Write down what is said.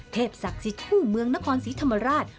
ศักดิ์สิทธิ์คู่เมืองนครศรีธรรมราช